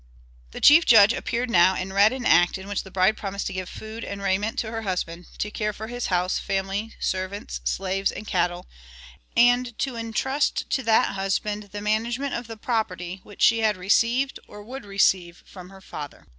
The chief judge appeared now and read an act in which the bride promised to give good food and raiment to her husband, to care for his house, family, servants, slaves, and cattle, and to entrust to that husband the management of the property which she had received or would receive from her father.